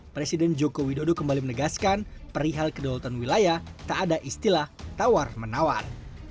presiden joko widodo kembali menegaskan perihal kedaulatan wilayah tak ada istilah tawar menawar